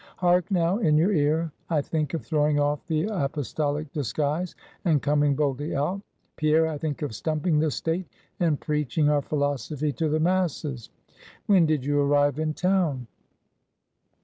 Hark now, in your ear; I think of throwing off the Apostolic disguise and coming boldly out; Pierre! I think of stumping the State, and preaching our philosophy to the masses. When did you arrive in town?"